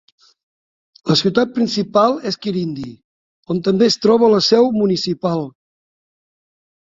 La ciutat principal és Quirindi, on també es troba la seu municipal.